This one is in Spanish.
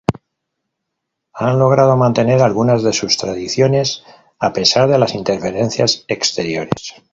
Han logrado mantener algunas de sus tradiciones, a pesar de las interferencias exteriores.